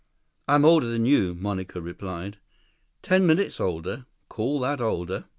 "I'm older than you," Monica replied. "Ten minutes older. Call that older?